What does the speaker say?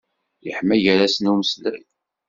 Yeḥma gar-asen umeslay.